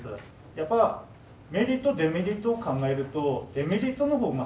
やっぱメリットデメリットを考えるとデメリットのほうがはるかに大きい。